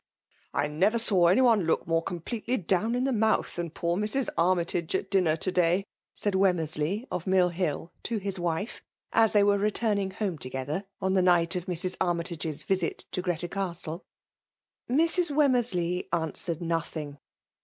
''I NEVKR saw any one look more completely down in the mouth than poor Mrs. Armytage at dinner to day !'* said Wemmersley, of Mill Hill^ to his wife, as they were returning home together on the night of Mrs. Armytage's visit to Greta Castle. Mrs. Wemmersley answered nothing.